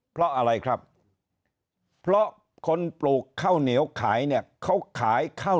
เพราะอะไรครับเพราะคนปลูกข้าวเหนียวขายเนี่ยเขาขายข้าว